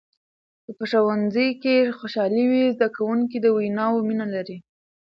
که په ښوونځي کې خوشحالي وي، زده کوونکي د ویناوو مینه لري.